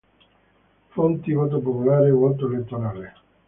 Fonti: voto popolare; voto elettorale.